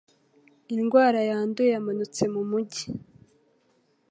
Indwara yanduye yamanutse mu mujyi